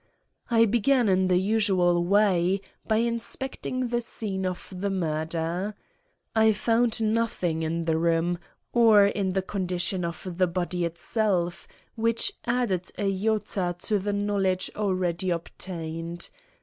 I began, in the usual way, by inspecting the scene of the murder. I found nothing in the room, or in the condition of the body itself, which added an iota to the knowledge already obtained.